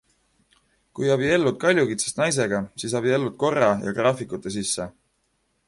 Kui abiellud kaljukitsest naisega, siis abiellud korra ja graafikute sisse.